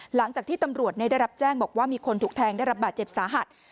หลังจากที่ตำรวจได้รับแจ้งบอกว่ามีคนถูกแทงได้รับบาดเจ็บสาหัส